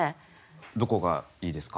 どこがいいですか？